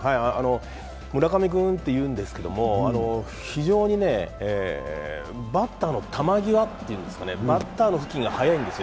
村上君というんですけども非常にバッターの球際というんですかバッターの付近が速いんですよ。